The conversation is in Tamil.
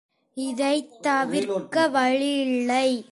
இதைத் தவிர்க்க வழியில்லை.